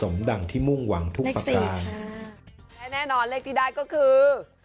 และแน่นอนเลขที่ได้ก็คือ